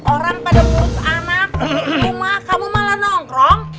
orang pada mulut anak rumah kamu malah nongkrong